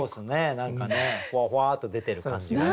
何かねほわほわっと出てる感じがね。